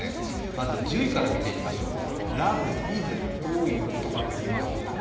まず１０位から見ていきましょうか。